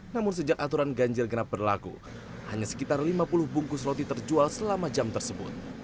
namun sejak aturan ganjil genap berlaku hanya sekitar lima puluh bungkus roti terjual selama jam tersebut